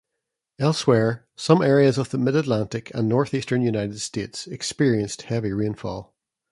Elsewhere, some areas of the Mid-Atlantic and Northeastern United States experienced heavy rainfall.